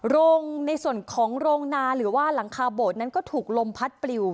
ในส่วนของโรงนาหรือว่าหลังคาโบดนั้นก็ถูกลมพัดปลิว